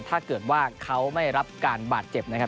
ถ้าเกิดว่าเขาไม่รับการบาดเจ็บนะครับ